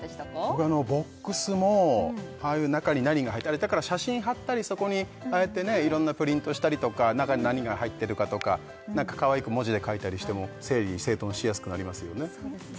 僕はボックスもああいう中に何がだから写真貼ったりそこにああやっていろんなプリントしたりとか中に何が入ってるかとか何か可愛く文字で書いたりしても整理整頓しやすくなりますよね